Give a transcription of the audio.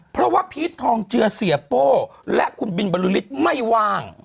เพราะว่าพีชทองเจือเสียโป้และคุณบินบริษฐ์ไม่ว่าง